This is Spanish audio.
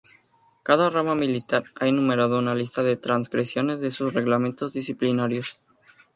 Cada rama militar ha enumerado una lista de "transgresiones" de sus Reglamentos Disciplinarios.